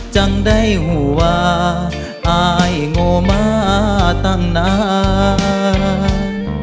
จังได้หัววาอายโงมาตั้งนาน